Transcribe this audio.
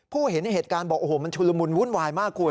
เห็นเหตุการณ์บอกโอ้โหมันชุลมุนวุ่นวายมากคุณ